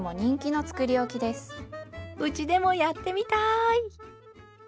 うちでもやってみたい！